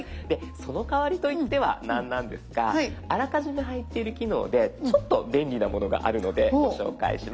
その代わりといっては何なんですがあらかじめ入っている機能でちょっと便利なものがあるのでご紹介します。